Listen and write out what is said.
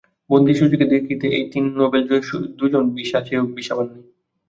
বন্দী সু চিকে দেখতে এই তিন নোবেলজয়ীর দুজন ভিসা চেয়েও ভিসা পাননি।